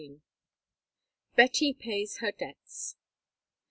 BETTY PAYS HER DEBTS.